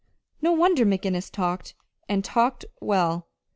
No wonder McGinnis talked, and talked well.